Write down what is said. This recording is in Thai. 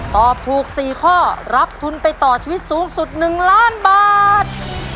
ตอบถูก๔ข้อรับทุนไปต่อชีวิตสูงสุด๑ล้านบาท